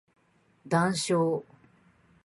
談笑